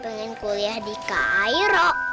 pengen kuliah di cairo